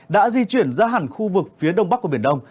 đã di chuyển ra hẳn khu vực phía đông bắc của biển đông